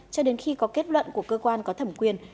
cho đến khi có kết luận của cơ quan có thẩm quyền